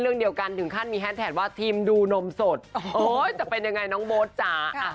พูดถึงหน้าอกนะคะขอเป็นผู้สายบ้างคุณโบ๊ทธารา